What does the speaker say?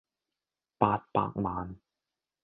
八百萬